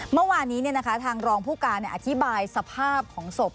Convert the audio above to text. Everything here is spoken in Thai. เมื่อวานนี้ทางรองผู้การอธิบายสภาพของศพ